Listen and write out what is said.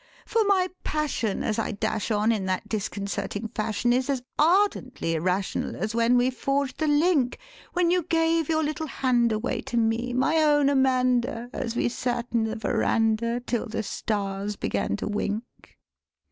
For my passion as I dash on in that disconcerting fashion Is as ardently irrational as when we forged the link When you gave your little hand away to me, my own Amanda An we sat 'n the veranda till the stars began to wink.